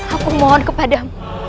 aku mohon kepadamu